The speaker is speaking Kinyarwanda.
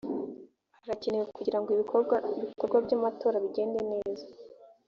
arakenewe kugira ngo ibikorwa by’ amatora bigende neza